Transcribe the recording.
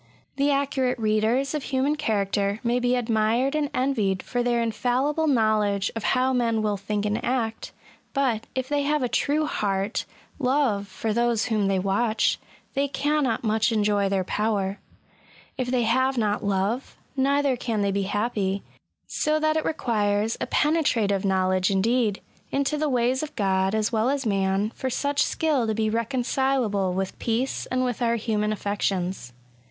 The accurate readers of human character may be admired and envied for their infallible knowledge of how men will think and act; but, if they have a true heart love for those whom they watch, they cannot much enjoy their power. If they have not love, neither can they be happy ; so that it requires a penetra tive knowledge indeed, into the ways of God as well as man, for such skill to be reconcileable with 186 ESSAYS. peace and with our human affections.